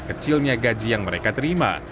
kecilnya gaji yang mereka terima